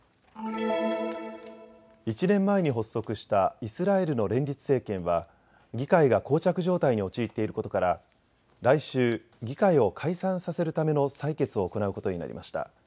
１年前に発足したイスラエルの連立政権は議会がこう着状態に陥っていることから来週、議会を解散させるための採決を行うことになりました。